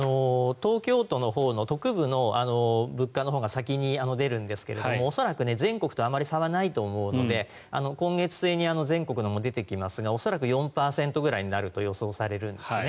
東京都のほうの都区部の物価のほうが先に出るんですけれども恐らく全国とあまり差はないと思うので今月末に全国のも出てきますが恐らく４％ぐらいになると予想されるんですね。